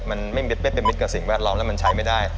มันไม่เป็นมิตรกับสิ่งแวดล้อมแล้วมันใช้ไม่ได้